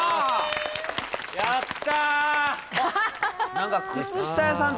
・やった！